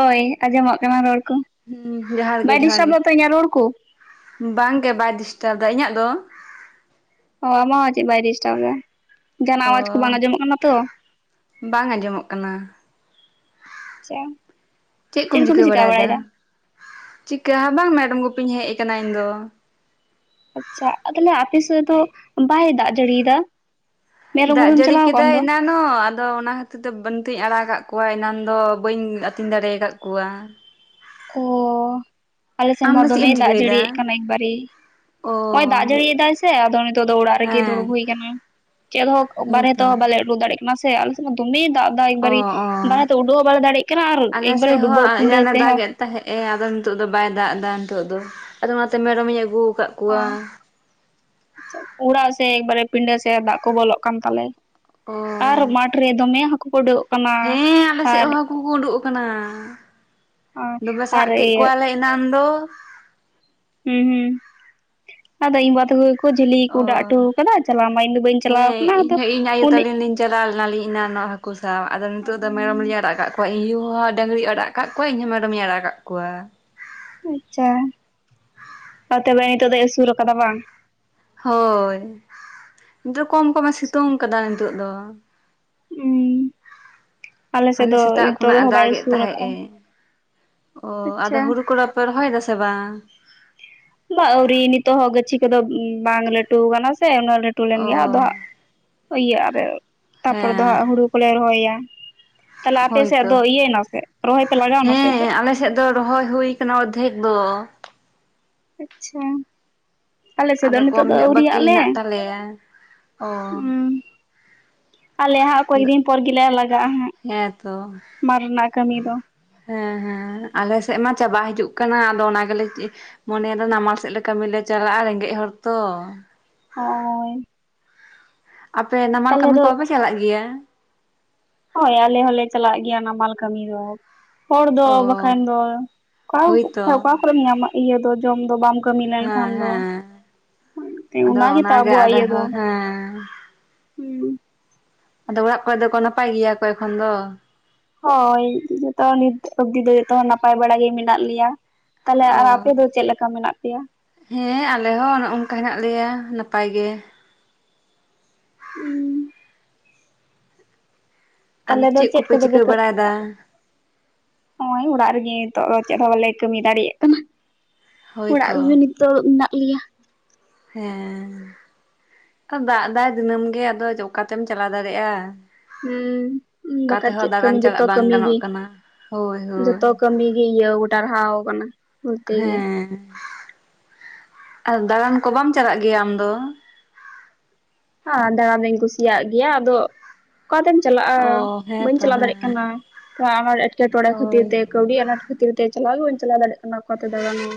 ᱳᱭ ᱟᱸᱡᱚᱢᱚᱜ ᱠᱟᱱᱟ ᱨᱚᱲ ᱠᱚ ᱦᱩᱸ ᱡᱚᱦᱟᱨ ᱵᱟᱭ ᱰᱤᱥᱴᱟᱵᱚᱜ ᱛᱤᱧᱟᱹ ᱨᱚᱲ ᱠᱚ? ᱵᱟᱝ ᱜᱮ ᱵᱟᱭ ᱰᱤᱥᱴᱟᱵᱽ ᱮᱫᱟ, ᱤᱧᱟᱹᱜ ᱫᱚ? ᱚ ᱟᱢᱟ ᱦᱚ ᱵᱟᱭᱰᱤᱥᱴᱟᱯ ᱮᱫᱟ᱾ ᱡᱟᱦᱟᱱ ᱚ ᱟᱣᱟᱡ ᱠᱚ ᱵᱟᱝ ᱟᱸᱡᱚᱢᱚᱜ ᱠᱟᱱᱟ ᱛᱚ᱾ ᱵᱟᱝ ᱟᱸᱡᱚᱢᱚᱜ ᱠᱟᱱᱟ ᱪᱮ ᱪᱮᱫ ᱠᱚᱯᱮ ᱪᱤᱠᱟᱹ ᱵᱟᱲᱟᱭᱮᱫᱟ᱾ ᱪᱤᱠᱟᱹ ᱦᱚ ᱵᱟᱝ ᱢᱮᱨᱚᱢ ᱜᱩᱯᱤᱧ ᱦᱮᱡ ᱟᱠᱟᱱᱟ ᱤᱧ ᱫᱚ᱾ ᱟᱪᱪᱷᱟ ᱛᱟᱦᱚᱞᱮ ᱟᱯᱮ ᱥᱮᱫ ᱫᱚ ᱵᱟᱭ ᱫᱟᱜ ᱡᱟᱹᱲᱤᱭᱟᱫᱟ? ᱢᱮᱨᱚᱢ ᱜᱚᱯᱤᱢ ᱪᱟᱞᱟᱣ ᱟᱠᱟᱱ ᱫᱚ᱾ ᱡᱮᱱᱚ ᱟᱫᱚ ᱚᱱᱟ ᱠᱷᱟᱹᱛᱤᱨ ᱛᱮ ᱵᱟᱝ ᱜᱤᱧ ᱟᱲᱟᱜ ᱟᱠᱟᱫ ᱠᱚᱣᱟ ᱮᱱᱟᱱ ᱫᱚ ᱵᱟᱹᱧ ᱟᱹᱛᱤᱧ ᱫᱟᱲᱮ ᱟᱠᱟᱫ ᱠᱚᱣᱟ ᱚ ᱟᱞᱮ ᱥᱮᱱ ᱟᱢ ᱢᱟ ᱫᱚ ᱪᱮᱫ ᱮᱢ ᱫᱚᱢᱮᱭ ᱫᱟᱜ ᱪᱤᱠᱟᱹᱭᱮᱫᱟ ᱡᱟᱹᱲᱤᱭᱮᱫ ᱠᱟᱱᱟ ᱮᱠᱵᱟᱨᱮ ᱚ ᱱᱚᱜ ᱚᱭ ᱫᱟᱜ ᱡᱟᱹᱲᱤᱭᱮᱫᱟᱭ ᱥᱮ ᱟᱫᱚ ᱱᱤᱛᱚᱜ ᱫᱚ ᱚᱲᱟᱜ ᱨᱮᱜᱮ ᱦᱮᱸ ᱫᱩᱲᱩᱵ ᱦᱩᱭ ᱟᱠᱟᱱᱟ ᱪᱮᱫ ᱦᱚᱸ ᱵᱟᱨᱦᱮ ᱦᱮᱸᱛᱚ ᱛᱮᱦᱚᱸ ᱵᱟᱞᱮ ᱩᱰᱩ ᱫᱟᱲᱮᱭᱟᱜ ᱠᱟᱱᱟ ᱥᱮ ᱫᱚᱢᱮᱭ ᱫᱟᱜ ᱮᱫᱟ ᱚ ᱮᱠᱵᱟᱨᱮ ᱚ ᱵᱟᱨᱦᱮ ᱛᱮ ᱩᱰᱟᱹᱜ ᱦᱚᱸ ᱵᱟᱞᱮ ᱫᱟᱲᱮᱜ ᱠᱟᱱᱟ ᱟᱨ ᱮᱠᱵᱟᱨᱮ ᱰᱩᱵᱟᱹᱜ ᱯᱩᱱᱰᱟ ᱛᱮ ᱦᱚᱸ ᱛᱟᱦᱮᱸᱜᱼ ᱮ ᱟᱫᱚ ᱱᱤᱛᱚᱜ ᱫᱚ ᱵᱟᱭ ᱫᱟᱜ ᱮᱫᱟ ᱱᱤᱛᱚᱜ ᱫᱚ ᱟᱫᱚ ᱚᱱᱟᱛᱮ ᱢᱮᱨᱚᱢᱤᱧ ᱟᱹᱜᱩ ᱟᱠᱟᱫ ᱠᱚᱣᱟ᱾ ᱚᱲᱟᱜ ᱥᱮ ᱮᱠᱵᱟᱨᱮ ᱯᱤᱸᱰᱟᱹ ᱥᱮ ᱫᱟᱜ ᱠᱚ ᱵᱚᱞᱚᱜ ᱠᱟᱱ ᱛᱟᱞᱮ ᱚ ᱟᱨ ᱢᱟᱴᱷ ᱨᱮ ᱫᱚᱢᱮ ᱦᱟᱠᱩ [unintelligible] ᱦᱮᱸ ᱟᱞᱮ ᱥᱮᱫ ᱦᱚᱸ ᱦᱟᱹᱠᱩ ᱠᱚ ᱩᱰᱩᱠ ᱟᱠᱟᱱᱟ ᱫᱚᱢᱮ ᱥᱟᱵ ᱟᱨ ᱠᱮᱫ ᱤᱭᱟᱹ ᱠᱚᱣᱟᱞᱮ ᱮᱱᱟᱱ ᱫᱚ ᱦᱩᱸ ᱦᱩᱸ ᱟᱫᱚ ᱤᱧ ᱵᱟ ᱡᱷᱟᱹᱞᱤ ᱠᱚ ᱚ ᱚᱰᱟᱣ ᱦᱚᱴᱚ ᱟᱠᱟᱫᱟ ᱪᱟᱞᱟᱣ ᱢᱟ ᱤᱧ ᱫᱚ ᱵᱟᱹᱧ ᱦᱮᱸ ᱪᱟᱞᱟᱣ ᱟᱠᱟᱱᱟ ᱟᱫᱚ ᱤᱧᱦᱚᱸ ᱤᱧ ᱟᱭᱳ ᱩᱱᱤ ᱛᱟᱞᱤᱧ ᱞᱤᱧ ᱪᱟᱞᱟᱣ ᱞᱮᱱᱟᱞᱤᱧ ᱮᱱᱟ ᱱᱚᱜ ᱦᱟᱠᱩ ᱥᱟᱵ ᱟᱫᱚ ᱱᱤᱛ ᱫᱚ ᱢᱮᱨᱚᱢ ᱞᱤᱧ ᱟᱲᱟᱜ ᱚᱠᱚᱤᱧᱩ ᱦᱚᱸ ᱰᱟᱝᱨᱤᱤᱭ ᱟᱲᱟᱜ ᱟᱠᱟᱟᱜ ᱠᱚᱣᱟ ᱤᱧᱦᱚᱸ ᱢᱮᱨᱚᱢ ᱤᱧ ᱟᱲᱟᱜ ᱟᱠᱟᱜ ᱠᱚᱣᱟ᱾ ᱟᱪᱪᱷᱟ ᱾ᱛᱚᱵᱮ ᱱᱤᱛᱚᱜ ᱫᱚᱭ ᱟᱥᱩᱲ ᱠᱟᱫᱟ ᱵᱟᱝ ᱦᱳᱭ ᱱᱤᱛᱚᱜ ᱠᱚᱢ ᱠᱚᱢᱮ ᱥᱤᱛᱩᱝ ᱠᱟᱫᱟ ᱱᱤᱛᱚᱜ ᱫᱚ ᱦᱩᱸ ᱦᱟᱱᱮ ᱥᱮᱛᱟᱜ ᱠᱷᱚᱱᱟᱜ ᱮ ᱫᱟᱜᱮᱫ ᱛᱟᱦᱮᱸ ᱟᱠᱟᱜᱼᱟ ᱮ ᱚ ᱟᱫᱚ ᱟᱪᱪᱷᱟ ᱦᱩᱲᱩ ᱠᱚᱲᱟ ᱯᱮ ᱨᱚᱦᱚᱭ ᱫᱟ ᱥᱮ ᱵᱟᱝ? ᱵᱟ ᱟᱹᱣᱨᱤ ᱱᱤᱛᱚᱜ ᱦᱚᱸ ᱜᱟᱹᱪᱷᱤ ᱠᱚᱫᱚ ᱵᱟᱝ ᱞᱟᱹᱴᱩ ᱠᱟᱱᱟ ᱥᱮ ᱩᱱᱟᱹᱜ ᱞᱟᱹᱴᱩ ᱞᱮᱱ ᱚ ᱜᱮᱭᱟ ᱟᱫᱚ ᱦᱟᱸᱜ ᱤᱭᱟᱹ ᱟᱨ ᱛᱟᱨᱯᱚᱨᱮ ᱫᱚ ᱦᱮᱸ ᱦᱟᱸᱜ ᱦᱩᱲᱩ ᱠᱚᱞᱮ ᱨᱚᱦᱚᱭᱟ᱾ ᱛᱟᱦᱚᱞᱮ ᱟᱯᱮ ᱥᱮᱫ ᱦᱳᱭᱛᱚ ᱫᱚ ᱤᱭᱟᱹᱭ ᱱᱟᱥᱮ ᱨᱚᱦᱚᱭ ᱯᱮ ᱞᱟᱜᱟᱣᱱᱟ ᱥᱮ ᱦᱮᱸ ᱪᱮᱫ? ᱟᱞᱮ ᱫᱚ ᱨᱚᱦᱚᱭ ᱦᱩᱭᱩ ᱟᱠᱟᱱᱟ ᱚᱨᱫᱷᱮᱠ ᱫᱚ ᱟᱪᱪᱷᱟ ᱟᱞᱮ ᱥᱮᱫ ᱫᱚ ᱟᱫᱚ ᱱᱤᱛᱚᱜ ᱠᱚᱢ ᱫᱚ ᱧᱚᱜ ᱵᱟᱹᱠᱤ ᱟᱹᱣᱨᱤᱭᱟᱜ ᱞᱮ ᱦᱮᱱᱟᱜ ᱛᱟᱞᱮᱭᱟ ᱚ ᱟᱞᱮ ᱦᱟᱸᱜ ᱠᱚᱭᱮᱠ ᱟᱫᱚ ᱫᱤᱱ ᱯᱚᱨ ᱜᱮᱞᱮ ᱞᱟᱜᱟᱜᱼᱟ ᱦᱟᱸᱜ ᱦᱮᱸᱛᱚ ᱢᱟᱴᱷ ᱨᱮᱱᱟᱜ ᱠᱟᱹᱢᱤ ᱫᱚ ᱦᱮᱸ ᱦᱮᱸ ᱟᱞᱮᱥᱮᱫ ᱢᱟ ᱪᱟᱵᱟ ᱦᱤᱡᱩᱜ ᱠᱟᱱᱟ ᱟᱫᱚ ᱚᱱᱟ ᱜᱮᱞᱮ ᱪᱮ ᱢᱚᱱᱮᱭᱟ ᱫᱚ ᱱᱟᱢᱟᱞ ᱥᱮᱫ ᱞᱮ ᱠᱟᱹᱢᱤ ᱞᱮ ᱪᱟᱞᱟᱜᱼᱟ ᱨᱮᱸᱜᱮᱡ ᱦᱚᱲ ᱛᱚ ᱦᱚᱸ ᱟᱯᱮ ᱱᱟᱢᱟᱞ ᱛᱟᱦᱚᱞᱮ ᱠᱟᱹᱢᱤ ᱠᱚ ᱫᱚ ᱵᱟᱯᱮ ᱪᱟᱞᱟᱜ ᱜᱮᱭᱟ? ᱦᱳᱭ ᱟᱞᱮ ᱦᱚᱸᱞᱮ ᱪᱟᱞᱟᱜ ᱜᱮᱭᱟ ᱱᱟᱢᱟᱞ ᱠᱟᱹᱢᱤ ᱫᱚ ᱦᱚᱲ ᱫᱚ ᱚ ᱵᱟᱠᱷᱟᱱ ᱫᱚ ᱚᱠᱟ ᱦᱳᱭᱛᱚ ᱚᱠᱟ ᱠᱚᱨᱮᱢ ᱧᱟᱢᱟ ᱤᱭᱟᱹ ᱫᱚ ᱡᱚᱢ ᱫᱚ ᱵᱟᱢ ᱠᱟᱹᱢᱤ ᱦᱮᱸ ᱞᱮᱱᱠᱷᱟᱱ ᱫᱚ᱾ ᱦᱮᱸ ᱚ ᱟᱫᱚ ᱜᱮᱛᱚ ᱚᱱᱟᱜᱮ ᱟᱵᱚ ᱟᱞᱮ ᱤᱭᱟᱹ ᱫᱚ ᱦᱚᱸ ᱦᱮᱸ ᱟᱫᱚ ᱚᱲᱟᱜ ᱠᱚᱨᱮ ᱫᱚᱠᱚ ᱱᱟᱯᱟᱭ ᱜᱮᱭᱟ ᱠᱚ ᱮᱠᱷᱚᱱ ᱫᱚ ᱦᱳᱭ ᱡᱚᱛᱚ ᱱᱤᱛ ᱚᱵᱫᱤ ᱫᱚ ᱡᱚᱛᱚ ᱦᱚᱲ ᱱᱟᱯᱟᱭ ᱵᱟᱲᱟ ᱜᱮ ᱢᱮᱱᱟᱜ ᱞᱮᱭᱟ᱾ ᱛᱟᱦᱞᱮ ᱚ ᱟᱨ ᱟᱯᱮ ᱫᱚ ᱪᱮᱫ ᱞᱮᱠᱟ ᱢᱮᱱᱟᱜ ᱯᱮᱭᱟ? ᱦᱮᱸ ᱟᱞᱮ ᱦᱚᱸ ᱱᱚᱜ ᱚᱝᱠᱟ ᱦᱮᱱᱟᱜ ᱞᱮᱭᱟ ᱱᱟᱯᱟᱭ ᱜᱮ᱾ ᱦᱩᱸ ᱟᱫᱚ ᱛᱟᱦᱚᱞᱮ ᱫᱚ ᱪᱮᱫ ᱠᱚᱯᱮ ᱠᱚᱫᱚ ᱪᱤᱠᱟᱹ ᱠᱟᱹᱜ ᱟᱹᱜ ᱵᱟᱲᱟᱭᱮᱫᱟ ᱱᱚᱜᱼᱚᱭ ᱚᱲᱟᱜ ᱨᱮᱜᱮ ᱱᱤᱛᱚᱜ ᱪᱮᱫ ᱦᱚᱸ ᱵᱟᱞᱮ ᱠᱟᱹᱢᱤ ᱫᱟᱲᱮᱭᱟᱜ ᱠᱟᱱᱟ᱾ ᱚᱲᱟᱜ ᱦᱳᱭᱛᱚ ᱨᱮᱜᱮ ᱱᱤᱛᱚᱜ ᱢᱮᱱᱟᱜ ᱞᱮᱭᱟ ᱦᱮᱸ ᱫᱟᱜ ᱮᱫᱟᱭ ᱫᱤᱱᱟᱹᱢ ᱜᱮ ᱟᱫᱚ ᱚᱠᱟᱛᱮᱢ ᱪᱟᱞᱟᱣ ᱫᱟᱲᱮᱭᱟᱜᱼᱟ ᱦᱮᱸ ᱚᱠᱟ ᱵᱟᱠᱷᱟᱡ ᱛᱮᱦᱚᱸ ᱪᱮᱫ ᱫᱟᱬᱟᱱ ᱠᱟᱹᱢᱤ ᱪᱟᱞᱟᱜ ᱡᱚᱛᱚ ᱵᱟᱝ ᱠᱟᱹᱢᱤ ᱜᱟᱱᱚᱜ ᱜᱤ ᱠᱟᱱᱟ ᱦᱳᱭ ᱦᱳᱭ ᱡᱚᱛᱚ ᱠᱟᱹᱢᱤ ᱜᱤ ᱤᱭᱟᱹ ᱴᱟᱨᱦᱟᱣ ᱠᱟᱱᱟ ᱵᱚᱞᱛᱮ ᱜᱮ ᱦᱮᱸ ᱟᱨ ᱫᱟᱬᱟᱱ ᱠᱚ ᱵᱟᱢ ᱪᱟᱞᱟᱜ ᱜᱮᱭᱟ ᱟᱢ ᱫᱚ ᱦᱟ ᱫᱟᱬᱟ ᱫᱩᱧ ᱠᱩᱥᱤᱭᱟᱜ ᱜᱮᱭᱟ ᱟᱫᱚ ᱚᱠᱟᱛᱮᱢ ᱪᱟᱞᱟᱜᱼᱟ ᱚ ᱵᱟᱹᱧ ᱦᱮᱸᱛᱚ ᱪᱟᱞᱟᱣ ᱫᱟᱲᱮᱭᱟᱜ ᱦᱮᱸ ᱠᱟᱱᱟ᱾ [unintelligible] ᱮᱸᱴᱠᱮᱴᱚᱲᱮ ᱠᱷᱟᱹᱛᱤᱨ ᱦᱳᱭ ᱛᱮ ᱠᱟᱹᱣᱰᱤ ᱟᱱᱟᱴ ᱠᱷᱟᱛᱤᱨ ᱛᱮ ᱪᱟᱞᱟᱣ ᱜᱮ ᱵᱟᱹᱧ ᱪᱟᱞᱟᱣ ᱫᱟᱲᱮᱭᱟᱜ ᱠᱟᱱᱟ ᱚᱠᱟ ᱛᱮ ᱫᱟᱲᱟᱱ ᱦᱚᱸ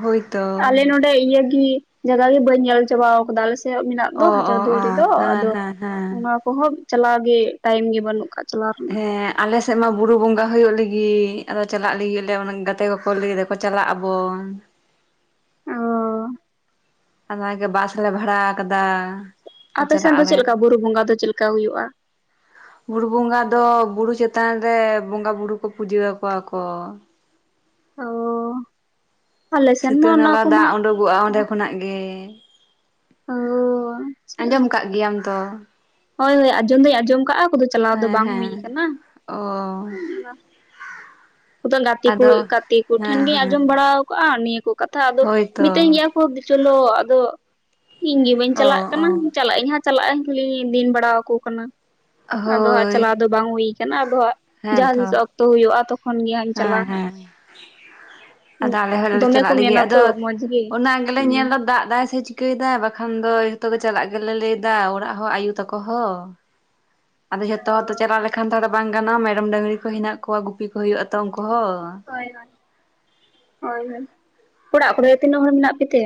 ᱦᱳᱭᱛᱚ ᱟᱞᱮ ᱱᱚᱸᱰᱮ ᱤᱭᱟᱹ ᱜᱤ ᱡᱟᱭᱜᱟ ᱜᱮ ᱵᱟᱹᱧ ᱧᱮᱞ ᱪᱟᱵᱟᱣ ᱠᱟᱫᱟ ᱟᱞᱮ ᱥᱮ ᱢᱮᱱᱟᱜ ᱫᱚ ᱚ ᱚ ᱥᱩᱨ ᱚ ᱨᱮᱫᱚ ᱦᱮᱸ ᱟᱫᱚ ᱦᱮᱸ ᱦᱮᱸ ᱚᱱᱟ ᱠᱚᱦᱚᱸ ᱪᱟᱞᱟᱣ ᱜᱮ ᱴᱟᱭᱤᱢ ᱜᱮ ᱵᱟᱹᱱᱩᱜ ᱠᱟᱜ ᱪᱟᱞᱟᱣ ᱨᱮᱱᱟᱜ ᱦᱮᱸ ᱟᱞᱮᱥᱮᱫ ᱢᱟ ᱵᱩᱨᱩ ᱵᱚᱸᱜᱟ ᱦᱩᱭᱩᱜ ᱞᱟᱹᱜᱤᱫ ᱟᱫᱚ ᱪᱟᱞᱟᱜ ᱞᱟᱹᱜᱤᱫ ᱞᱮ ᱜᱟᱛᱮ ᱠᱚᱠᱚ ᱞᱟᱹᱭ ᱮᱫᱟᱠᱚ ᱠᱚ ᱪᱟᱞᱟᱜ ᱟᱵᱚᱱ ᱚᱻ ᱚᱱᱟ ᱜᱮ ᱵᱟᱥ ᱞᱮ ᱵᱷᱟᱲᱟ ᱟᱠᱟᱫᱟ ᱟᱯᱮ ᱪᱟᱞᱟᱜ ᱥᱮᱱ ᱫᱚ ᱪᱮᱫ ᱟᱞᱮ ᱞᱮᱠᱟ ᱵᱩᱨᱩ ᱵᱚᱸᱜᱟ ᱫᱚ ᱪᱮᱫ ᱞᱮᱠᱟ ᱦᱩᱭᱩᱜᱼᱟ ᱵᱩᱨᱩ ᱵᱚᱸᱜᱟ ᱫᱚ ᱵᱩᱨᱩ ᱪᱮᱛᱟᱱ ᱨᱮ ᱵᱚᱸᱜᱟ ᱵᱩᱨᱩ ᱠᱚ ᱯᱩᱡᱟᱹ ᱟᱠᱚᱣᱟ ᱠᱚ ᱚ ᱟᱞᱮ ᱥᱮᱱ ᱢᱟ ᱥᱤᱛᱟᱹ ᱚᱱᱟ ᱱᱟᱞᱟ ᱠᱚᱢᱟ ᱫᱟᱜ ᱩᱰᱩᱠ ᱩᱠᱚᱜᱼᱟ ᱚᱸᱰᱮ ᱠᱷᱚᱱᱟᱜ ᱜᱮ ᱚ ᱟᱪᱪᱷᱟ ᱟᱸᱡᱚᱢ ᱠᱟᱜ ᱜᱮᱭᱟᱢ ᱛᱚ ᱦᱳᱭ ᱦᱳᱭ ᱟᱸᱡᱚᱢ ᱫᱚᱧ ᱟᱸᱡᱚᱢ ᱠᱟᱜᱼᱟ ᱠᱚᱫᱚ ᱪᱟᱞᱟᱣ ᱫᱚ ᱦᱮᱸ ᱵᱟᱝ ᱦᱩᱭ ᱦᱮᱸ ᱠᱟᱱᱟ ᱚ ᱜᱟᱛᱮ ᱠᱩ ᱟᱫᱚ ᱜᱟᱛᱮ ᱠᱚ ᱴᱷᱮᱱ ᱦᱮᱸ ᱜᱤᱧ ᱦᱮᱸ ᱟᱸᱡᱚᱢ ᱵᱟᱲᱟ ᱠᱟᱜᱼᱟ ᱱᱤᱭᱟᱹ ᱠᱚ ᱠᱟᱛᱷᱟ ᱟᱫᱚ ᱦᱳᱭᱛᱚ ᱢᱤᱛᱟᱹᱧ ᱜᱮᱭᱟ ᱠᱚ ᱪᱚᱞᱚ ᱟᱫᱚ ᱤᱧ ᱜᱮ ᱵᱟᱹᱧ ᱚ ᱪᱟᱞᱟᱜ ᱠᱟᱱᱟ ᱚ ᱪᱟᱞᱟᱜ ᱟᱹᱧ ᱦᱟᱸᱜ ᱪᱟᱞᱟᱜ ᱟᱹᱧ ᱠᱷᱟᱞᱤᱧ ᱫᱤᱱ ᱵᱟᱲᱟ ᱟᱠᱚ ᱠᱟᱱᱟ ᱟᱫᱚ ᱦᱟᱸᱜ ᱪᱟᱞᱟᱣ ᱫᱚ ᱵᱟᱝ ᱦᱩᱭ ᱠᱟᱱᱟ ᱟᱫᱚ ᱦᱟᱜ ᱦᱮᱸ ᱛᱚ ᱦᱟᱸᱜ ᱤᱧ ᱦᱮᱸ ᱪᱟᱞᱟᱜᱼᱟ ᱦᱮᱸ ᱟᱫᱚ ᱟᱞᱮ ᱦᱚᱞᱮ ᱫᱚᱢᱮ ᱠᱚ ᱪᱟᱞᱟᱜ ᱞᱟᱹᱜᱤᱫ ᱢᱮᱱᱟ ᱛᱚ ᱟᱫᱚ ᱢᱚᱸᱡᱽ ᱜᱮ ᱚᱱᱟ ᱜᱮᱞᱮ ᱦᱩᱸ ᱧᱮᱞ ᱮᱫᱟ ᱫᱟᱜ ᱮᱫᱟᱭ ᱥᱮ ᱪᱤᱠᱟᱹᱭᱮᱫᱟ ᱵᱟᱠᱷᱟᱱ ᱫᱚ ᱡᱚᱛᱚᱜ ᱜᱮ ᱪᱟᱞᱟᱜ ᱜᱮᱞᱮ ᱞᱟᱹᱭ ᱮᱫᱟ ᱚᱲᱟᱜ ᱦᱚᱸ ᱟᱭᱩ ᱛᱟᱠᱚ ᱦᱚᱸ ᱟᱫᱚ ᱡᱷᱚᱛᱚ ᱚ ᱦᱚᱲ ᱫᱚ ᱪᱟᱞᱟᱣ ᱞᱮᱠᱷᱟᱱ ᱛᱷᱚᱲᱟ ᱵᱟᱝ ᱜᱟᱱᱚᱜ ᱢᱮᱨᱚᱢ ᱰᱟᱹᱟᱝᱨᱤ ᱠᱚ ᱦᱮᱱᱟᱜ ᱠᱚᱣᱟ ᱜᱩᱯᱤ ᱠᱚ ᱦᱩᱭᱩᱜᱼᱟ ᱛᱚ ᱩᱱᱠᱩ ᱦᱚᱸ ᱦᱳᱭ ᱦᱳᱭ ᱦᱳᱭ ᱚᱲᱟᱜ ᱠᱚᱨᱮ ᱛᱤᱱᱟᱹᱜ ᱦᱚᱲ ᱢᱮᱱᱟᱜ ᱯᱮ ᱛᱮ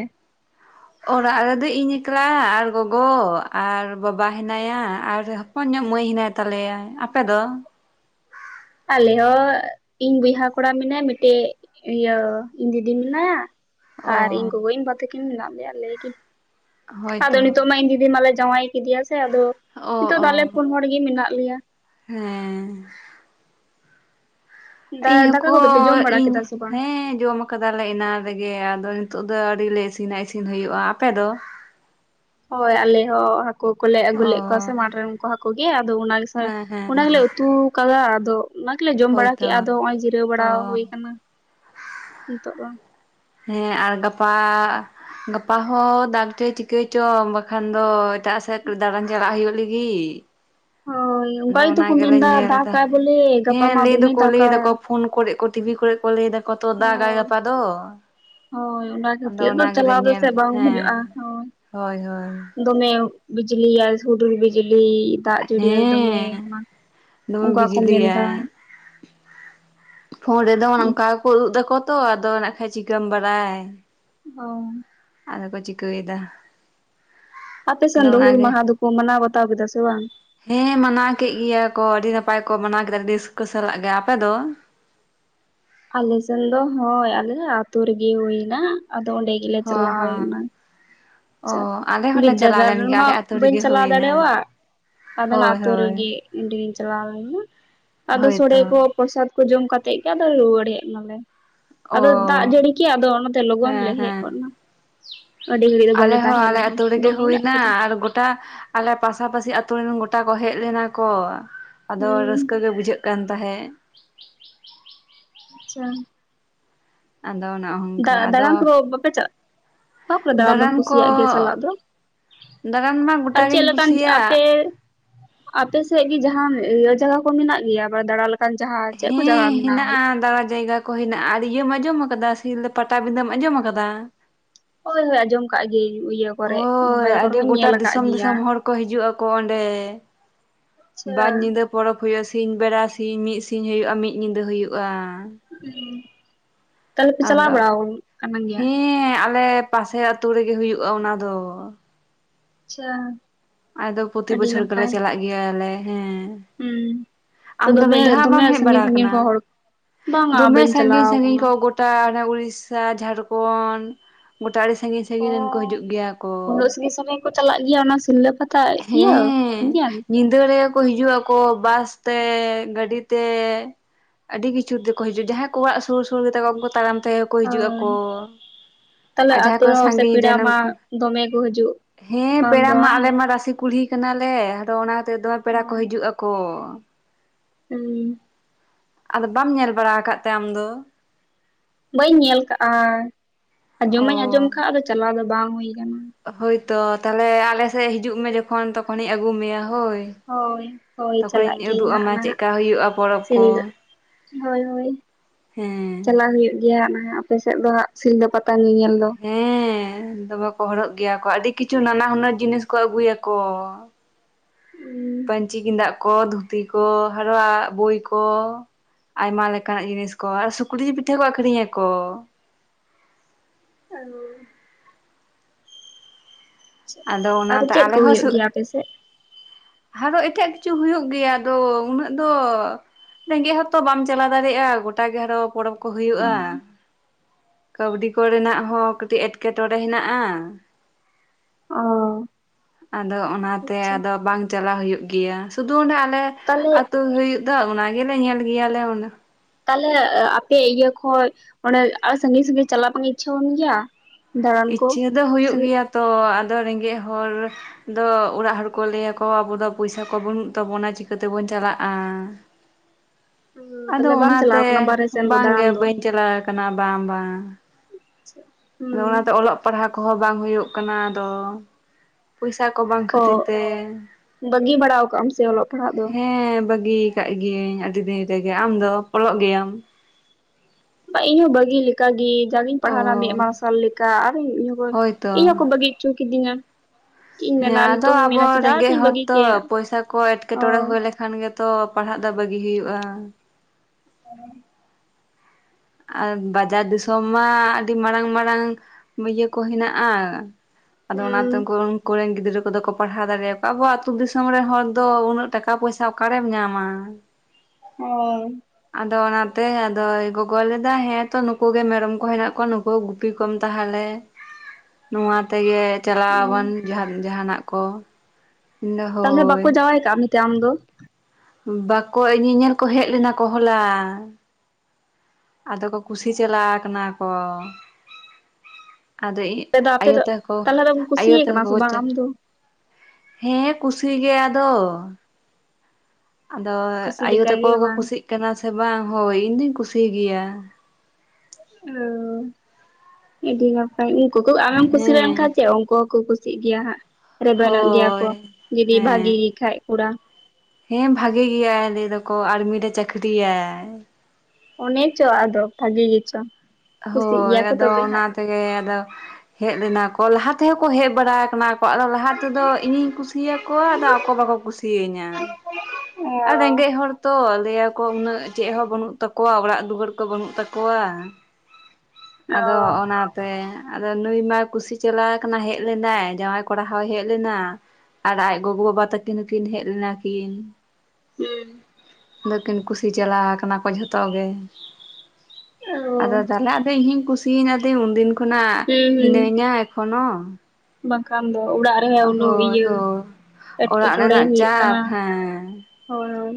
ᱚᱲᱟᱜ ᱨᱮ ᱫᱚ ᱤᱧ ᱮᱠᱞᱟ ᱟᱨ ᱜᱚᱜᱚ ᱟᱨ ᱵᱟᱵᱟ ᱦᱮᱱᱟᱭᱟ ᱟᱨ ᱦᱚᱯᱚᱱ ᱧᱚᱜ ᱢᱟᱹᱭ ᱦᱮᱱᱟᱭ ᱛᱟᱞᱮᱭᱟ ᱟᱯᱮ ᱫᱚ ᱟᱞᱮ ᱦᱚᱸ ᱤᱧ ᱵᱚᱭᱦᱟ ᱠᱚᱲᱟ ᱢᱮᱱᱟᱭᱟ ᱢᱤᱫᱴᱮᱱ ᱤᱭᱟᱹ ᱤᱧ ᱫᱤᱫᱤ ᱢᱮᱱᱟᱭᱟ ᱚ ᱟᱨ ᱤᱧ ᱜᱚᱜᱚ ᱤᱧ ᱵᱟᱵᱟ ᱛᱟᱹᱠᱤᱱ ᱢᱮᱱᱟᱜ ᱞᱮᱭᱟ ᱟᱞᱮ ᱜᱮ ᱟᱫᱚ ᱦᱳᱭᱛᱚ ᱱᱤᱛᱳᱜ ᱢᱟ ᱤᱧ ᱫᱤᱫᱤ ᱢᱟᱞᱮ ᱡᱟᱶᱟᱭ ᱠᱮᱫᱮᱭᱟ ᱥᱮ ᱟᱫᱚ ᱚ ᱱᱤᱛᱳᱜ ᱫᱚ ᱚ ᱟᱞᱮ ᱯᱩᱱ ᱦᱚᱲ ᱜᱮ ᱢᱮᱱᱟᱜ ᱞᱮᱭᱟ ᱦᱮᱸ ᱫᱟ ᱤᱧ ᱦᱚᱸ ᱫᱟᱠᱟ ᱠᱚ ᱠᱚᱫᱚ ᱯᱮ ᱡᱚᱢ ᱵᱟᱲᱟ ᱤᱧ ᱠᱮᱫᱟ ᱥᱮ ᱵᱟᱝ ᱦᱮᱸ ᱡᱚᱢ ᱟᱠᱟᱫᱟᱞᱮ ᱮᱱᱟᱝ ᱨᱮᱜᱮ ᱟᱫᱚ ᱱᱤᱛᱚᱜ ᱫᱚ ᱟᱹᱣᱨᱤ ᱞᱮ ᱤᱥᱤᱱᱟ ᱤᱥᱤᱱ ᱦᱩᱭᱩᱜᱼᱟ ᱟᱯᱮ ᱫᱚ? ᱦᱳᱭ ᱟᱞᱮ ᱦᱚᱸ ᱦᱟᱹᱠᱩ ᱠᱚᱞᱮ ᱟᱹᱜᱩ ᱚ ᱞᱮᱫ ᱠᱚᱣᱟ ᱥᱮ ᱢᱟᱴᱷ ᱨᱮᱱ ᱩᱱᱠᱩ ᱦᱟᱹᱠᱩ ᱜᱮ ᱟᱫᱚ ᱚᱱᱟ ᱦᱳᱭ ᱦᱮᱸ ᱦᱮᱸ ᱚᱱᱟ ᱜᱮᱞᱮ ᱩᱛᱩ ᱟᱠᱟᱫᱟ ᱟᱫᱚ ᱚᱱᱟ ᱜᱮᱞᱮ ᱡᱚᱢ ᱵᱟᱲᱟ ᱦᱳᱭᱛᱚ ᱠᱮᱫᱼᱟ ᱟᱫᱚ ᱦᱚᱸᱜ ᱚᱭ ᱡᱤᱨᱟᱹᱣ ᱵᱟᱲᱟ ᱚ ᱦᱩᱭ ᱟᱠᱟᱱᱟ ᱱᱤᱛᱚᱜ ᱫᱚ ᱦᱮᱸ ᱟᱨ ᱜᱟᱯᱟ ᱜᱟᱯᱟ ᱦᱚᱸ ᱫᱟᱜ ᱪᱚᱭ ᱪᱤᱠᱟᱹᱭᱪᱚᱝ ᱵᱟᱠᱷᱟᱱ ᱫᱚ ᱮᱴᱟᱜ ᱥᱮᱫ ᱤᱱᱠᱟᱹ ᱫᱟᱲᱟᱱ ᱪᱟᱞᱟᱜ ᱦᱩᱭᱩᱜ ᱞᱟᱹᱜᱤᱫ ᱦᱳᱭ ᱚᱱᱠᱟ ᱟᱫᱚ ᱜᱮᱛᱚ ᱚᱱᱟ ᱠᱚ ᱜᱮᱞᱮ ᱢᱮᱱᱫᱟ ᱧᱮᱞ ᱮᱫᱟ ᱫᱟᱜᱟᱭ ᱵᱚᱞᱮ ᱜᱟᱯᱟ ᱦᱮᱸ ᱢᱟ ᱞᱟᱹᱭ ᱫᱚᱢᱮ ᱫᱚᱠᱚ ᱞᱟᱹᱭ ᱫᱟᱜᱟ ᱮᱫᱟᱠᱚ ᱯᱷᱳᱱ ᱠᱚᱨᱮ ᱠᱚ ᱴᱤᱵᱤ ᱠᱚᱨᱮ ᱚᱠᱚᱭ ᱠᱚ ᱞᱟᱹᱭ ᱮᱫᱟ ᱠᱚ ᱛᱚ ᱫᱟᱜᱼᱟᱭ ᱦᱳᱭ ᱜᱟᱯᱟ ᱫᱚ ᱦᱳᱭ ᱚᱱᱟ ᱟᱫᱚ ᱠᱷᱟᱹᱛᱤᱨ ᱫᱚ ᱚᱱᱟ ᱜᱮ ᱞᱮ ᱪᱟᱞᱟᱣ ᱫᱚ ᱧᱮᱞ ᱥᱮ ᱵᱟᱝ ᱦᱮᱸ ᱦᱩᱭᱩᱜᱼᱟ ᱦᱳᱭ ᱦᱳᱭ ᱦᱳᱭ ᱫᱚᱢᱮ ᱵᱤᱡᱽᱞᱤ ᱭᱟᱭ ᱦᱩᱰᱩᱨ ᱵᱤᱡᱽᱞᱤ ᱫᱟᱜ ᱡᱟᱹᱨᱤ ᱭᱟᱭ ᱫᱳᱢᱮ ᱦᱮᱸ ᱚᱱᱟ ᱫᱚᱢᱮ ᱚᱱᱠᱟ ᱠᱩ ᱢᱮᱱ ᱮᱫᱟ ᱵᱤᱡᱽᱞᱤᱭᱟᱭ ᱯᱷᱳᱱ ᱨᱮᱫᱚ ᱱᱚᱝᱠᱟ ᱜᱮᱠᱚ ᱩᱫᱩᱜ ᱫᱟᱠᱚ ᱛᱚ ᱟᱫᱚ ᱱᱟᱜ ᱠᱷᱟᱱ ᱪᱤᱠᱟᱹᱢ ᱵᱟᱨᱟᱭ ᱦᱚ ᱟᱫᱚ ᱠᱚ ᱪᱤᱠᱟᱹᱭ ᱮᱫᱟ ᱟᱯᱮᱥᱮᱱ ᱫᱚ ᱦᱩᱞ ᱢᱟᱦᱟ ᱫᱚᱠᱚ ᱢᱟᱱᱟᱣ ᱵᱟᱛᱟᱣ ᱠᱮᱫᱟ ᱥᱮ ᱵᱟᱝ ᱦᱮᱸ ᱢᱟᱱᱟᱣ ᱠᱮᱫ ᱜᱮᱭᱟ ᱠᱚ ᱟᱹᱰᱤ ᱱᱟᱯᱟᱭ ᱠᱚ ᱢᱟᱱᱟᱣ ᱠᱮᱫᱟ ᱟᱹᱰᱤ ᱨᱟᱹᱥᱠᱟᱹ ᱥᱟᱞᱟᱜ ᱜᱮ ᱟᱯᱮ ᱫᱚ ᱟᱞᱮ ᱥᱮᱱ ᱫᱚ ᱦᱳᱭ ᱟᱞᱮ ᱟᱛᱩ ᱨᱤᱜᱤ ᱦᱩᱭ ᱮᱱᱟ ᱟᱫᱚ ᱚᱸᱰᱮ ᱜᱮᱞᱮ ᱦᱚᱸ ᱪᱟᱞᱟᱣ ᱦᱚᱸ ᱞᱮᱱᱟ ᱚ ᱟᱞᱮ ᱦᱚᱸᱞᱮ ᱪᱟᱞᱟᱣ ᱵᱤᱨᱤᱫᱫᱟᱹᱜᱟᱲ ᱞᱮᱱ ᱜᱮᱭᱟ ᱨᱮᱢᱟ ᱟᱞᱮ ᱟᱹᱛᱩ ᱵᱟᱹᱧ ᱨᱮᱜᱮ ᱪᱟᱞᱟᱣ ᱦᱩᱭᱱᱟ ᱫᱟᱲᱮᱣᱼᱟ ᱟᱫᱚ ᱚᱱᱟ ᱦᱳᱭ ᱟᱛᱩ ᱦᱳᱭ ᱨᱮᱜᱤ ᱮᱸᱰᱤ ᱜᱮ ᱪᱟᱞᱟᱣ ᱞᱮᱱᱟ ᱟᱫᱚ ᱥᱳᱲᱮ ᱦᱳᱭᱛᱚ ᱠᱚ ᱯᱨᱚᱥᱟᱫ ᱠᱚ ᱡᱚᱢ ᱠᱟᱛᱮᱫ ᱜᱮ ᱟᱫᱚ ᱨᱩᱣᱟᱹᱲ ᱦᱮᱡ ᱮᱱᱟᱞᱮ ᱚ ᱟᱫᱚ ᱫᱟᱜ ᱡᱟᱹᱲᱤ ᱠᱮᱫ-ᱟ ᱟᱫᱚ ᱚᱱᱟᱛᱮ ᱞᱚᱜᱚᱱ ᱦᱮᱸ ᱞᱮ ᱦᱮᱡ ᱦᱮᱸ ᱜᱚᱫ ᱮᱱᱟ ᱟᱹᱰᱤ ᱜᱷᱟᱹᱲᱤᱡ ᱫᱚ ᱟᱞᱮ ᱵᱟᱞᱮ ᱦᱚᱸ ᱛᱟᱦᱮᱸ ᱟᱞᱮ ᱞᱮᱱᱟ ᱟᱹᱛᱩ ᱨᱮᱜᱮ ᱫᱚᱢᱮᱭ ᱦᱩᱭ ᱫᱟᱜ ᱮᱱᱟ ᱠᱮᱫᱟ ᱟᱨ ᱜᱚᱴᱟ ᱜᱚᱴᱟ ᱟᱞᱮ ᱯᱟᱥᱟᱯᱟᱥᱤ ᱟᱛᱩ ᱨᱮᱱ ᱜᱚᱴᱟ ᱠᱚ ᱦᱮᱡ ᱞᱮᱱᱟ ᱠᱚ ᱟᱫᱚ ᱦᱩᱸ ᱨᱟᱹᱥᱠᱟᱹ ᱜᱮ ᱵᱩᱡᱷᱟᱹᱜ ᱠᱟᱱ ᱛᱟᱦᱮᱸᱜ ᱟᱪᱪᱷᱟ ᱟᱫᱚ ᱚᱱᱟ ᱚᱸ ᱪᱟᱜ ᱫᱟᱬᱟᱱ ᱠᱚᱫᱚ ᱵᱟᱯᱮ ᱪᱟᱠ ᱚᱠᱟ ᱠᱚᱨᱮ ᱫᱟᱬᱟᱱ ᱫᱚᱢ ᱠᱩᱥᱤᱭᱟᱜ ᱜᱮᱭᱟ ᱪᱟᱞᱟᱜ ᱫᱚ ᱫᱟᱬᱟᱱ ᱢᱟ ᱜᱚᱴᱟ ᱟᱨ ᱪᱮᱫ ᱜᱤᱧ ᱞᱮᱠᱟᱱ ᱠᱩᱥᱤᱭᱟᱜ ᱟᱯᱮ ᱟᱯᱮᱥᱮᱫ ᱜᱤ ᱡᱟᱦᱟᱸᱱ ᱤᱭᱟᱹ ᱡᱟᱭᱜᱟ ᱠᱚ ᱢᱮᱱᱟᱜ ᱜᱮᱭᱟ ᱫᱟᱲᱟ ᱞᱮᱠᱟ ᱦᱮᱸ ᱦᱮᱱᱟᱜᱼᱟ ᱫᱟᱬᱟ ᱡᱟᱭᱜᱟ ᱠᱚ ᱦᱮᱱᱟᱜᱼᱟ ᱤᱭᱟᱹᱢ ᱟᱸᱡᱚᱢ ᱟᱠᱟᱫᱟ ᱥᱤᱞᱫᱟᱹ ᱯᱟᱴᱟᱵᱤᱸᱱᱫᱟᱹᱢ ᱟᱸᱡᱚᱢ ᱟᱠᱟᱫᱟ ᱦᱳᱭ ᱦᱳᱭ ᱟᱸᱡᱚᱢ ᱠᱟᱜ ᱜᱮ ᱤᱭᱟᱹᱢ ᱠᱚᱨᱮᱡ ᱦᱳᱭ ᱢᱳᱵᱟᱭᱤᱞ ᱠᱚᱨᱮ ᱟᱹᱰᱤ ᱦᱚᱸᱧ ᱜᱚᱴᱟ ᱧᱮᱞᱠᱟᱫ ᱫᱤᱥᱚᱢ ᱜᱮᱭᱟ ᱫᱤᱥᱚᱢ ᱦᱚᱲ ᱠᱚ ᱦᱤᱡᱩᱜ ᱟᱠᱚ ᱟᱨ ᱧᱤᱫᱟᱹ ᱯᱚᱨᱚᱵᱽ ᱦᱩᱭᱩᱜᱳᱜᱼᱟ ᱥᱤᱧ ᱵᱮᱲᱟ ᱥᱤᱧ ᱢᱤᱫ ᱥᱤᱧ ᱦᱳᱭᱳᱜᱼᱟ ᱢᱤᱫ ᱧᱤᱫᱟᱹ ᱦᱳᱭᱳᱜᱼᱟ ᱛᱟᱦᱚᱞᱮ ᱯᱮ ᱪᱟᱞᱟᱣ ᱟᱫᱚ ᱵᱟᱲᱟ ᱠᱟᱱᱟ ᱜᱮᱭᱟ ᱦᱮᱸ ᱟᱞᱮᱼᱯ ᱯᱟᱥᱮ ᱟᱹᱛᱩ ᱨᱮᱜᱮ ᱦᱩᱭᱩᱜᱼᱟ ᱚᱱᱟ ᱫᱚ ᱟᱪᱪᱷᱟ ᱟᱫᱚ ᱯᱨᱚᱛᱤ ᱟᱹᱰᱤ ᱵᱚᱪᱷᱚᱨ ᱜᱮ ᱞᱮ ᱱᱟᱯᱟᱭ ᱪᱟᱞᱟᱜ ᱜᱮᱭᱟ ᱞᱮ ᱦᱮᱸ ᱦᱩᱸ ᱟᱢ ᱫᱚ ᱫᱚᱢᱮ ᱢᱤᱫ ᱫᱷᱟᱣ ᱫᱚᱢᱮ ᱵᱟᱢ ᱦᱮᱡ ᱥᱟᱺᱜᱤᱧ ᱵᱟᱲᱟ ᱥᱟᱺᱜᱤᱧ ᱠᱷᱚᱱ ᱟᱠᱟᱱᱟ? ᱦᱚᱲ ᱵᱟᱝᱟ ᱵᱟᱹᱧ ᱪᱟᱞᱟᱣ ᱠᱟᱱᱟ ᱜᱳᱴᱟ ᱩᱲᱤᱥᱥᱟ ᱡᱷᱟᱲᱠᱷᱚᱸᱰ ᱜᱚᱴᱟ ᱟᱹᱰᱤ ᱥᱟᱺᱜᱤᱧ ᱚ ᱥᱟᱺᱜᱤᱧ ᱨᱮᱱ ᱠᱚ ᱦᱤᱡᱩᱜ ᱜᱮᱭᱟ ᱠᱚ ᱩᱱᱟᱹᱜ ᱥᱟᱺᱜᱤᱧ ᱥᱟᱺᱜᱤᱧ ᱪᱟᱞᱟᱜ ᱜᱮᱭᱟ ᱚᱱᱟ ᱥᱤᱞᱫᱟᱹ ᱯᱟᱛᱟ ᱤᱭᱟᱹ ᱧᱮᱞ ᱵᱷᱳᱨ ᱨᱮᱠᱚ ᱦᱤᱡᱩᱜ ᱟᱠᱚ ᱵᱟᱥ ᱛᱮ ᱜᱟᱹᱰᱤᱛᱮ ᱟᱹᱰᱤ ᱠᱤᱪᱷᱩ ᱛᱮᱠᱚ ᱦᱤᱡᱩᱜᱼᱟ ᱡᱟᱦᱟᱸᱭ ᱠᱚ ᱚᱲᱟᱜ ᱥᱩᱨ ᱥᱩᱨ ᱜᱮᱛᱟ ᱠᱚᱣᱟ ᱩᱱᱠᱩ ᱛᱟᱲᱟᱢ ᱛᱮᱜᱮ ᱠᱚ ᱦᱤᱡᱩᱜ ᱦᱳᱭ ᱟᱠᱚ ᱛᱟᱦᱞᱮ ᱟᱨ ᱡᱟᱦᱟᱸᱭ ᱟᱛᱳ ᱠᱚᱫᱚ ᱦᱚᱲ ᱥᱮ ᱥᱟᱺᱜᱤᱧ ᱯᱮᱲᱟ ᱢᱟ ᱩᱱᱠᱩ ᱫᱚᱢᱮ ᱠᱚ ᱦᱤᱡᱩᱜ ᱦᱮᱸ ᱵᱟᱝ ᱯᱮᱲᱟ ᱫᱚ ᱢᱟ ᱵᱟᱝ? ᱟᱞᱮ ᱢᱟ ᱨᱟᱹᱥᱤ ᱠᱩᱞᱦᱤ ᱠᱟᱱᱟᱞᱮ ᱟᱫᱚ ᱚᱱᱟ ᱠᱷᱟᱛᱤᱨ ᱫᱚᱢᱮ ᱚ ᱯᱮᱲᱟ ᱠᱚ ᱦᱤᱡᱩᱜ ᱟᱠᱚ ᱦᱩᱸᱸ ᱟᱫᱚ ᱵᱟᱢ ᱧᱮᱞ ᱵᱟᱲᱟᱣ ᱠᱟᱫ ᱛᱮ ᱟᱢ ᱫᱚ ᱵᱟᱹᱧ ᱧᱮᱞ ᱠᱟᱜᱼᱟ ᱟᱸᱡᱚᱢ ᱢᱟᱹᱧ ᱟᱸᱡᱚᱢ ᱚ ᱠᱟᱫ ᱟᱫᱚ ᱪᱟᱞᱟᱣ ᱫᱚ ᱵᱟᱝ ᱦᱩᱭ ᱟᱠᱟᱱᱟ ᱦᱳᱭᱛᱚ ᱛᱟᱦᱚᱞᱮ ᱟᱞᱮ ᱥᱮᱫ ᱦᱤᱡᱩᱜ ᱢᱮ ᱡᱚᱠᱷᱚᱱ ᱛᱚᱠᱷᱚᱱᱤᱧ ᱟᱹᱜᱩ ᱢᱮᱭᱟ ᱦᱳᱭ ᱦᱳᱭ ᱦᱳᱭ ᱪᱟᱞᱟᱜ ᱛᱚᱠᱷᱚᱱᱤᱧ ᱜᱤᱭᱟᱹᱧ ᱩᱫᱩᱜ ᱦᱟᱸᱜ ᱟᱢᱟ ᱱᱟᱦᱟᱜ ᱪᱮᱫᱞᱮᱠᱟ ᱦᱩᱭᱩᱜᱼᱟ ᱯᱚᱨᱚᱵᱽ ᱠᱚ ᱥᱤᱞᱫᱟᱹ ᱦᱳᱭ ᱦᱳᱭ ᱦᱮᱸ ᱪᱟᱞᱟᱜ ᱦᱩᱭᱩᱜᱼᱟ ᱜᱮᱭᱟ ᱟᱯᱮ ᱥᱮᱫ ᱫᱚ ᱦᱟᱸᱜ ᱥᱤᱞᱫᱟᱹ ᱯᱟᱛᱟ ᱧᱮᱧᱮᱞ ᱫᱚ ᱦᱮᱸ ᱫᱚᱢᱮ ᱠᱚ ᱦᱚᱲᱚᱜ ᱜᱮᱭᱟ ᱠᱚ ᱟᱹᱰᱤ ᱠᱤᱪᱷᱩ ᱱᱟᱱᱟ ᱦᱩᱱᱟᱹᱨ ᱡᱤᱱᱤᱥ ᱠᱚ ᱟᱹᱜᱩᱭᱟᱠᱚ ᱯᱟᱹᱧᱪᱤ ᱜᱮᱸᱫᱟᱜ ᱠᱚ ᱫᱷᱩᱛᱤ ᱠᱚ ᱦᱟᱨᱣᱟ ᱵᱳᱭ ᱠᱚ ᱟᱭᱢᱟ ᱞᱮᱠᱟᱱᱟᱜ ᱡᱤᱱᱤᱥ ᱠᱚ ᱟᱨ ᱥᱩᱠᱨᱤ ᱯᱤᱴᱷᱟᱹ ᱠᱚ ᱟᱹᱠᱷᱨᱤᱧ ᱟᱠᱚ ᱚ ᱟᱫᱚ ᱟᱨ ᱚᱱᱟᱛᱮ ᱪᱮᱫ ᱟᱞᱮ ᱠᱚ ᱦᱩᱭᱩᱜ ᱦᱚᱸ ᱜᱮᱭᱟ ᱟᱯᱮ ᱥᱮᱫ ᱟᱨᱚ ᱮᱴᱟᱜ ᱠᱤᱪᱷᱩ ᱦᱩᱭᱩᱜ ᱜᱮᱭᱟ ᱟᱫᱚ ᱩᱱᱟᱹᱜ ᱫᱚ ᱨᱮᱸᱜᱮᱡ ᱦᱚᱛᱚ ᱵᱟᱢ ᱪᱟᱞᱟᱣ ᱫᱟᱲᱮᱭᱟᱜᱼᱟ ᱜᱚᱴᱟ ᱜᱮ ᱟᱨᱚ ᱯᱚᱨᱚᱵ ᱠᱚ ᱦᱩᱭᱩᱜᱼᱟ ᱠᱟᱹᱣᱰᱤ ᱠᱚᱨᱮᱱᱟᱜ ᱦᱚᱸ ᱠᱟᱹᱴᱤᱡ ᱮᱴᱠᱮᱴᱚᱬᱮ ᱦᱮᱱᱟᱜᱼᱟ ᱚ ᱟᱫᱚ ᱚᱱᱟᱛᱮ ᱟᱪᱪᱷᱟ ᱟᱫᱚ ᱵᱟᱝ ᱪᱟᱞᱟᱜ ᱦᱩᱭᱩᱜ ᱜᱮᱭᱟ ᱥᱩᱫᱩ ᱚᱱᱟ‌ ᱟᱞᱮ ᱛᱟᱦᱞᱮ ᱟᱹᱛᱩ ᱦᱩᱭᱩᱜ ᱟᱫᱚ ᱚᱱᱟ ᱜᱮᱞᱮ ᱧᱮᱞ ᱜᱮᱭᱟᱞᱮ ᱚᱱᱟ ᱛᱟᱦᱞᱮ ᱟᱯᱮ ᱤᱭᱟᱹ ᱠᱷᱚᱡ ᱟᱨᱚ ᱥᱟᱺᱜᱤᱧ ᱥᱟᱺᱜᱤᱧ ᱪᱟᱞᱟᱜ ᱵᱟᱝ ᱤᱪᱪᱷᱟ ᱦᱩᱭᱩᱜ ᱜᱮᱭᱟ ᱫᱟᱬᱟᱱ ᱠᱚ ᱤᱪᱪᱷᱟᱹ ᱫᱚ ᱦᱩᱭᱩᱜ ᱜᱮᱭᱟ ᱛᱚ ᱟᱫᱚ ᱨᱮᱸᱜᱮᱡ ᱦᱚᱲ ᱫᱚ ᱚᱲᱟᱜ ᱦᱚᱲ ᱠᱚ ᱞᱟᱹᱭᱟ ᱟᱵᱚ ᱫᱚ ᱯᱚᱭᱥᱟ ᱠᱚ ᱵᱟᱹᱱᱩᱜ ᱛᱟᱵᱚᱱᱟ ᱪᱤᱠᱟᱹᱛᱮᱵᱚᱱ ᱪᱟᱞᱟᱜᱼᱟ ᱟᱫᱚ ᱛᱟᱦᱞᱮ ᱵᱟᱢ ᱪᱟᱞᱟᱣ ᱚᱱᱟᱛᱮ ᱠᱟᱱᱟ ᱵᱟᱨᱦᱮ ᱥᱮᱱ ᱫᱚ ᱵᱟᱝᱜᱮ ᱫᱟᱬᱟᱱ ᱵᱟᱹᱧ ᱪᱟᱞᱟᱣ ᱠᱟᱱᱟ ᱵᱟᱝ ᱵᱟᱝ ᱟᱪᱪᱷᱟ ᱟᱫᱚ ᱚᱱᱟᱛᱮ ᱚᱞᱚᱜ ᱯᱟᱲᱦᱟᱜ ᱠᱚᱦᱚᱸ ᱵᱟᱝ ᱦᱩᱭᱩᱜ ᱠᱟᱱᱟ ᱟᱫᱚ ᱯᱚᱭᱥᱟ ᱠᱚ ᱵᱟᱝ ᱚ ᱠᱷᱟᱹᱛᱤᱨ ᱛᱮ ᱵᱟᱹᱜᱤ ᱵᱟᱲᱟᱣ ᱠᱟᱜ ᱟᱢ ᱥᱮ ᱚᱞᱚᱜ ᱯᱟᱲᱦᱟᱜ ᱫᱚ ᱦᱮᱸ ᱵᱟᱹᱜᱤ ᱟᱠᱟᱫ ᱜᱤᱭᱟᱹᱧ ᱟᱹᱰᱤ ᱫᱤᱱ ᱨᱮᱜᱮ ᱟᱢ ᱫᱚ ᱚᱞᱚᱜ ᱜᱮᱭᱟᱢ ᱵᱟ ᱤᱧᱦᱚᱸ ᱵᱷᱟᱹᱜᱤ ᱞᱮᱠᱟᱜᱮ ᱵᱟᱝᱤᱧ ᱯᱟᱲᱦᱟᱣᱱᱟ ᱢᱤᱫ ᱚ ᱢᱟᱨᱥᱟᱞ ᱞᱮᱠᱟ ᱟᱨ ᱤᱧᱦ ᱤᱧ ᱦᱳᱭᱛᱚ ᱦᱚᱸᱠᱚ ᱵᱟᱹᱜᱤ ᱦᱚᱪᱚ ᱠᱤᱫᱤᱧᱟ ᱪᱮᱫ ᱤᱧ ᱦᱮᱸ ᱢᱮᱱᱟ ᱟᱫᱚ ᱱᱤᱛᱚᱜ ᱦᱚᱧ ᱟᱵᱚ ᱢᱮᱱᱟ ᱪᱮᱫᱟᱜ ᱨᱮᱸᱜᱮᱡ ᱪᱚᱧ ᱦᱚᱲ ᱵᱟᱹᱜᱤ ᱛᱚ ᱠᱮᱫ ᱯᱚᱭᱥᱟ ᱠᱚ ᱮᱴᱠᱮᱴᱚᱲᱮ ᱦᱳᱭ ᱦᱩᱭ ᱞᱮᱠᱷ ᱠᱷᱟᱱ ᱜᱮᱛᱚ ᱯᱟᱲᱦᱟᱜ ᱫᱚ ᱵᱟᱹᱜᱤ ᱦᱩᱭᱩᱜᱼᱟ [unintelligible] ᱟᱨ ᱵᱟᱡᱟᱨ ᱫᱤᱥᱚᱢ ᱢᱟ ᱟᱹᱰᱤ ᱢᱟᱨᱟᱝ ᱢᱟᱨᱟᱝ ᱤᱭᱟᱹ ᱠᱚ ᱦᱮᱱᱟᱜᱼᱟ ᱟᱫᱚ ᱚᱱᱟᱛᱮ ᱦᱩᱸ ᱩᱱᱠᱩ ᱩᱱᱠᱩᱨᱮᱱ ᱜᱤᱫᱽᱨᱟᱹ ᱠᱚᱫᱚ ᱠᱚ ᱯᱟᱲᱦᱟᱣ ᱫᱟᱲᱮᱭᱟᱠᱚᱣᱟ ᱟᱵᱚᱣᱟᱜ ᱟᱛᱩ ᱫᱤᱥᱚᱢ ᱨᱮᱱ ᱦᱚᱲ ᱫᱚ ᱩᱱᱟᱹᱜ ᱴᱟᱠᱟ ᱯᱚᱭᱥᱟ ᱚᱠᱟᱨᱮᱢ ᱧᱟᱢᱟ [unintelligible] ᱚᱭ ᱟᱫᱚ ᱚᱱᱟᱛᱮ ᱟᱫᱚᱭ ᱜᱚ ᱞᱮᱭᱫᱟ ᱦᱮᱸ ᱛᱚ ᱱᱩᱠᱩᱜ ᱜᱮ ᱢᱮᱨᱚᱢ ᱠᱚ ᱦᱮᱱᱟᱜ ᱠᱚᱣᱟ ᱱᱩᱠᱩ ᱜᱮ ᱜᱩᱯᱤ ᱠᱚᱢ ᱛᱟᱦᱮᱞᱮ ᱱᱚᱣᱟ ᱛᱮᱜᱮ ᱪᱟᱞᱟᱣ ᱟᱵᱚᱱ ᱡᱟᱦᱟᱱᱟᱜ ᱠᱚ ᱤᱧᱫᱚ ᱛᱟᱦᱮᱞᱮ ᱦᱳᱭ ᱵᱟᱠᱚ ᱡᱟᱶᱟᱭ ᱠᱟᱜ ᱢᱮᱛᱮ ᱟᱢ ᱫᱚ ᱵᱟᱠᱚ ᱧᱮᱧᱮᱞ ᱠᱚ ᱦᱮᱡ ᱞᱮᱱᱟ ᱠᱚ ᱦᱚᱞᱟ ᱟᱫᱚ ᱠᱚ ᱠᱩᱥᱤ ᱪᱟᱞᱟᱣ ᱠᱟᱱᱟ ᱠᱚ ᱟᱫᱚ ᱟᱯᱮ ᱫᱚ ᱟᱯᱮ ᱟᱭᱳ ᱫᱚ ᱛᱟᱠᱚ ᱛᱟᱦᱚᱞᱮ ᱫᱚᱢ ᱟᱭᱳ ᱠᱩᱥᱤᱭ ᱠᱟᱱᱟ ᱛᱟᱠᱚ ᱥᱮ ᱵᱟᱝ ᱠᱚ ᱟᱢ ᱫᱚ ᱦᱮᱸ ᱠᱩᱥᱤ ᱜᱮ ᱟᱫᱚ ᱟᱫᱚ ᱠᱩᱥᱤ ᱟᱭᱳ ᱛᱟᱠᱚ ᱞᱮᱠᱟᱜᱮ ᱜᱮ ᱠᱚ ᱵᱟᱝ ᱠᱩᱥᱤᱜ ᱠᱟᱱᱟ ᱥᱮ ᱵᱟᱝ ᱦᱳᱭ ᱤᱧ ᱫᱩᱧ ᱠᱩᱥᱤ ᱜᱮᱭᱟ ᱚ ᱟᱹᱰᱤ ᱱᱟᱯᱟᱭ ᱩᱱᱠᱩ ᱠᱚ ᱟᱢᱮᱢ ᱠᱩᱥᱤ ᱞᱮᱱ ᱦᱮᱸ ᱠᱷᱟᱱ ᱪᱮᱫ ᱩᱱᱠᱩ ᱦᱚᱸᱠᱚ ᱠᱩᱥᱤᱼᱟ ᱪᱮᱜ ᱜᱮᱭᱟ ᱦᱟᱸᱜ ᱨᱮᱵᱮᱱᱚᱜ ᱜᱮᱭᱟ ᱠᱚ ᱦᱳᱭ ᱡᱩᱫᱤ ᱵᱷᱟᱜᱤ ᱦᱮᱸ ᱜᱮ ᱠᱷᱟᱡ ᱠᱩᱲᱟ ᱦᱮᱸ ᱵᱷᱟᱜᱮ ᱜᱮᱭᱟᱭ ᱞᱟᱹᱭ ᱫᱟᱠᱚ ᱟᱨᱢᱤ ᱨᱮ ᱪᱟᱹᱠᱨᱤᱭᱟᱭ ᱚᱱᱮ ᱪᱚ ᱟᱫᱚ ᱵᱷᱟᱜᱤ ᱜᱮᱪᱚᱝ ᱦᱳᱭ ᱟᱫᱚ ᱚᱱᱟ ᱛᱮᱜᱮ ᱟᱫᱚ ᱦᱮᱡ ᱞᱮᱱᱟ ᱠᱚ ᱞᱟᱦᱟ ᱛᱮᱦᱚᱸ ᱠᱚ ᱦᱮᱡ ᱵᱟᱲᱟ ᱠᱟᱱᱟ ᱟᱫᱚ ᱞᱟᱦᱟ ᱛᱮᱫᱚ ᱤᱧᱤᱧ ᱠᱩᱥᱤᱭᱟᱠᱚᱣᱟ ᱟᱫᱚ ᱟᱠᱚ ᱵᱟᱠᱚ ᱠᱩᱥᱤᱭᱟᱹᱧᱟ ᱟᱨ ᱚ ᱨᱮᱸᱜᱮᱡ ᱦᱚᱲ ᱛᱚ ᱞᱟᱹᱭᱟᱠᱚ ᱩᱱᱟᱹᱜ ᱪᱮᱫ ᱦᱚᱸ ᱵᱟᱹᱱᱩᱜ ᱛᱟᱠᱚᱣᱟ ᱚᱲᱟᱜ ᱫᱩᱣᱟᱹᱨ ᱠᱚ ᱵᱟᱹᱱᱩᱜ ᱛᱟᱠᱚᱣᱟ ᱟᱫᱚ ᱚ ᱚᱱᱟ ᱟᱫᱚ ᱱᱩᱭ ᱢᱟᱭ ᱠᱩᱥᱤ ᱪᱟᱞᱟᱣ ᱠᱟᱱᱟ ᱦᱮᱡ ᱞᱮᱱᱟᱭ ᱡᱟᱶᱟᱭ ᱠᱚᱲᱟ ᱦᱚᱸᱭ ᱦᱮᱡ ᱞᱮᱱᱟ ᱟᱨ ᱟᱡ ᱜᱚᱜᱚ ᱵᱟᱵᱟ ᱛᱟᱹᱠᱤᱱᱠᱤᱱ ᱦᱚᱠᱤᱱ ᱦᱮᱡ ᱞᱮᱱᱟ ᱠᱤᱱ ᱦᱩᱸ ᱵᱟᱹᱠᱤᱱ ᱠᱩᱥᱤ ᱪᱟᱞᱟᱣ ᱠᱟᱱᱟ ᱠᱚ ᱡᱷᱚᱛᱚ ᱜᱮ ᱟᱫᱚ ᱚ ᱛᱟ ᱟᱫᱚ ᱤᱧᱦᱩᱧ ᱠᱩᱥᱤᱭᱮᱱᱟ ᱫᱤᱱ ᱩᱱᱫᱤᱱ ᱠᱷᱚᱱᱟᱜ ᱦᱩᱸ ᱦᱩᱸ ᱦᱤᱱᱟᱹᱧᱟ ᱮᱠᱷᱚᱱᱚ ᱵᱟᱝᱠᱷᱟᱱ ᱫᱚ ᱚᱲᱟᱜ ᱨᱮ ᱩᱱᱟᱹᱜ ᱦᱳᱭ ᱤᱭᱟᱹ ᱦᱳᱭ ᱚᱲᱟᱜ ᱮᱴᱠᱮᱴᱚᱬᱮ ᱨᱮᱱᱟᱜ ᱦᱩᱭᱩᱜ ᱪᱟᱯ ᱠᱟᱱᱟ ᱦᱮᱸ ᱦᱳᱭ ᱦᱳᱭ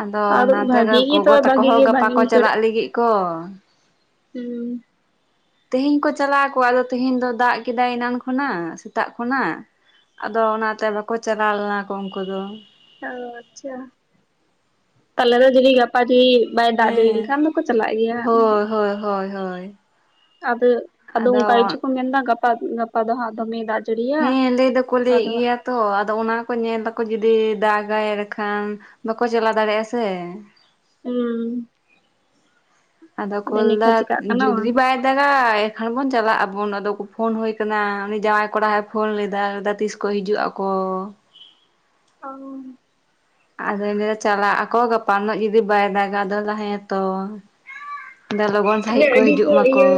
ᱟᱫᱚ ᱟᱨ ᱚᱱᱟᱛᱮ ᱵᱷᱟᱜᱤ ᱜᱮ ᱛᱚ ᱜᱚᱜᱚ ᱛᱟᱠᱚ ᱵᱷᱟᱜᱤ ᱦᱚ ᱜᱮ ᱜᱟᱯᱟ ᱠᱚ ᱵᱷᱟᱜᱤᱧ ᱪᱟᱞᱟᱜ ᱞᱟᱹᱜᱤᱜ ᱠᱚ ᱩᱸ ᱛᱮᱦᱮᱧ ᱠᱚ ᱪᱟᱞᱟᱜᱼᱟ ᱠᱚ ᱟᱫᱚ ᱛᱮᱦᱮᱧ ᱫᱚ ᱫᱟᱜ ᱠᱮᱫᱟᱭ ᱮᱱᱟᱱ ᱠᱷᱚᱱᱟᱜ ᱥᱮᱛᱟᱜ ᱠᱷᱚᱱᱟᱜ᱾ ᱟᱫᱚ ᱚᱱᱟᱛᱮ ᱵᱟᱠᱚ ᱪᱟᱞᱟᱣ ᱞᱮᱱᱟ ᱠᱚ ᱩᱱᱠᱩ ᱫᱚ ᱚ ᱟᱪᱪᱷᱟ ᱛᱟᱦᱞᱮ ᱫᱚ ᱡᱩᱫᱤ ᱜᱟᱯᱟ [unintelligible] ᱵᱟᱭ ᱫᱟᱜ ᱡᱟᱹᱲᱤ ᱦᱮᱸ ᱞᱮᱠᱷᱟᱱ ᱫᱚᱠᱚ ᱪᱟᱞᱟᱜ ᱜᱮᱭᱟ ᱦᱳᱭ ᱦᱳᱭ ᱦᱳᱭ ᱦᱳᱭ ᱟᱫᱚ ᱩᱱᱠᱟ ᱜᱮᱪᱚ ᱠᱚ ᱢᱮᱱ ᱫᱟ ᱜᱟᱯᱟ ᱜᱟᱯᱟ ᱫᱚ ᱦᱟᱸᱜ ᱫᱚᱢᱮ ᱫᱟᱜ ᱡᱟᱹᱲᱤᱭᱟ ᱦᱮᱸ ᱞᱟᱹᱭ ᱫᱟᱠᱚ ᱞᱟᱹᱭᱮᱫ ᱟᱫᱚ ᱦᱟᱸᱜ ᱜᱮᱭᱟ ᱛᱚ ᱟᱫᱚ ᱚᱱᱟ ᱠᱚ ᱧᱮᱞ ᱫᱟᱠᱚ ᱡᱩᱫᱤ ᱫᱟᱜᱟᱭ ᱟᱰᱮᱠᱷᱟᱱ ᱵᱟᱠᱚ ᱪᱟᱞᱟᱣ ᱫᱟᱲᱮᱭᱟᱜᱼᱟ ᱥᱮ ᱩᱸ ᱟᱫᱚ ᱠᱚᱞ ᱫᱟ ᱮᱱᱮᱠᱷᱟᱱ ᱪᱤᱠᱟᱹᱜ ᱠᱟᱱᱟ ᱡᱩᱫᱤ ᱵᱟᱝ ᱵᱟᱭ ᱫᱟᱜᱟᱭ ᱮᱱᱠᱷᱟᱱ ᱵᱚᱱ ᱪᱟᱞᱟᱜ ᱟᱵᱚᱱ ᱟᱫᱚ ᱠᱚ ᱯᱷᱳᱱ ᱦᱩᱭ ᱠᱟᱱᱟ ᱩᱱᱤ ᱡᱟᱶᱟᱭ ᱠᱚᱲᱟ ᱦᱚᱭ ᱯᱷᱳᱱ ᱞᱮᱫᱟᱭ ᱞᱟᱹᱭᱫᱟ ᱛᱤᱥ ᱠᱚ ᱦᱤᱡᱩᱜᱼᱟ ᱠᱚ ᱚ ᱟᱫᱚᱧ ᱞᱟᱹᱭᱫᱟ ᱪᱟᱞᱟᱜᱼᱟ ᱠᱚ ᱜᱟᱯᱟ ᱱᱚᱜ ᱡᱩᱫᱤ ᱵᱟᱭ ᱫᱟᱜᱟ ᱟᱫᱚᱭ ᱞᱟᱹᱫᱟ ᱦᱮᱸᱛᱚ᱾ ᱫᱟᱭ ᱞᱚᱜᱚᱱ ᱛᱚᱵᱮ ᱥᱟᱺᱦᱤᱡ ᱠᱚ ᱟᱹᱰᱤ ᱦᱤᱡᱩᱜ ᱢᱟᱠᱚ᱾ ᱤᱭᱟᱹ